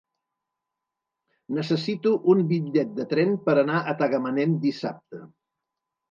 Necessito un bitllet de tren per anar a Tagamanent dissabte.